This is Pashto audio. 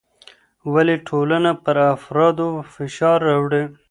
ولې ټولنه پر افرادو فشار راوړي؟